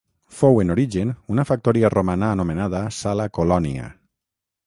Fou en origen una factoria romana anomenada Sala Colònia.